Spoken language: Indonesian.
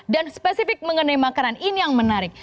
dan spesifik mengenai makanan ini yang menarik